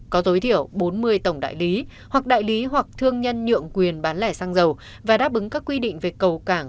có tối thiểu bốn mươi tổng đại lý hoặc đại lý hoặc thương nhân nhượng quyền bán lẻ xăng dầu và đáp ứng các quy định về cầu cảng